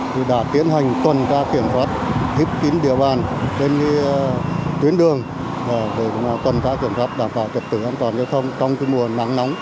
sự phát triển các không gian